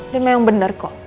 dia mah yang bener kok